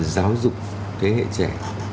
giáo dục thế hệ trẻ